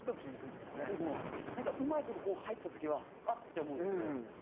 でもうまいこと入った時はあっ！って思うんですけど。